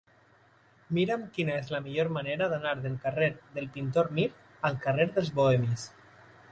Mira'm quina és la millor manera d'anar del carrer del Pintor Mir al carrer dels Bohemis.